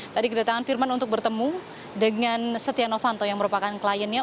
tadi kedatangan firman untuk bertemu dengan setia novanto yang merupakan kliennya